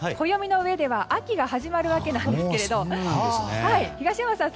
暦の上では秋が始まるわけなんですけど東山さん